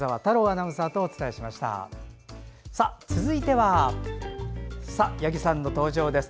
続いては八木さんの登場です。